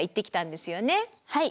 はい。